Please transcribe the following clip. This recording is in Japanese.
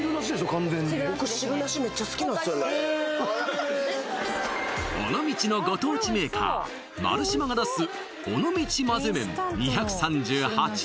完全に汁なしですね尾道のご当地メーカーマルシマが出す尾道まぜ麺２３８円